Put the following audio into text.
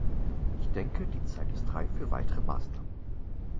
Ich denke, die Zeit ist reif für weitere Maßnahmen.